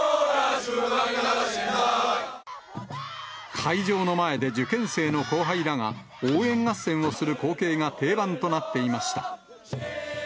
会場の前で受験生の後輩らが、応援合戦をする光景が定番となっていました。